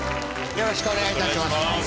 よろしくお願いします。